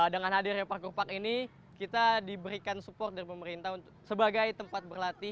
dengan hadirnya pergerupak ini kita diberikan support dari pemerintah sebagai tempat berlatih